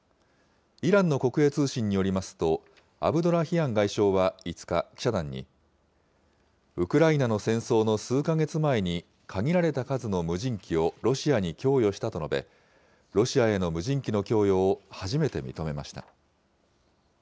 イランの国営通信によりますと、アブドラヒアン外相は５日、記者団に、ウクライナの戦争の数か月前に、限られた数の無人機をロシアに供与したと述べ、ロシアへの無人機の供与を初めて認めました。